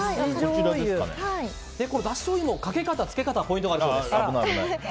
だししょうゆの食べ方、つけ方ポイントがあるそうです。